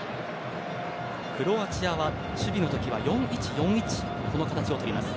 クロアチアは守備の時は４−１−４−１という形をとります。